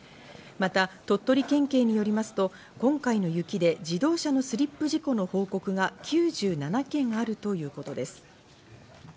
また、鳥取県警によりますと、今回の雪で自動車のスリップ事故の報告が９７件あるということです。